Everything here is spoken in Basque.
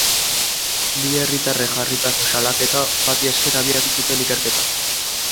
Bi herritarrek jarritako salaketa bati esker abiatu zuten ikerketa.